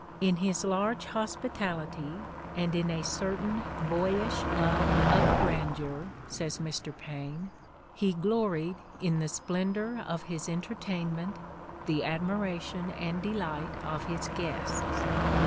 "In his large hospitality, and in a certain boyish love of grandeur," says Mr. Paine, "he gloried in the splendor of his entertainment, the admiration and delight of his guests.